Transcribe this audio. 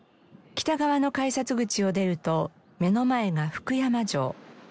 北側の改札口を出ると目の前が福山城。